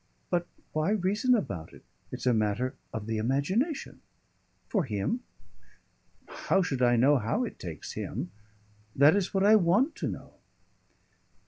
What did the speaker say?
"But why reason about it? It's a matter of the imagination " "For him?" "How should I know how it takes him? That is what I want to know."